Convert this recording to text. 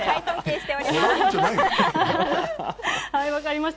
分かりました。